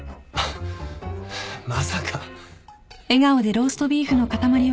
まさか。